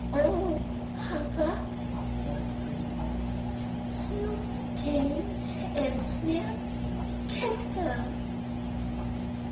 "Oh, papa!" Flossie greeted him, "Snoop came, and Snap kissed him!"